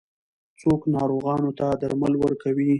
څوک ناروغانو ته درمل ورکوي؟